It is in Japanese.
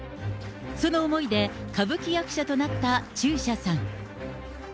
その思いで歌舞伎役者となった中車さん。